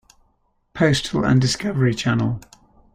Postal and Discovery Channel.